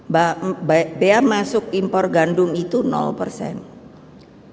bapak bia masuk impor gandum itu nol perangkat